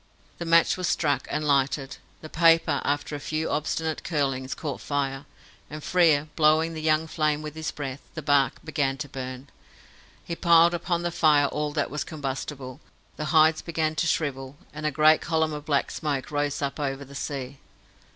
The match was struck and lighted. The paper, after a few obstinate curlings, caught fire, and Frere, blowing the young flame with his breath, the bark began to burn. He piled upon the fire all that was combustible, the hides began to shrivel, and a great column of black smoke rose up over the sea.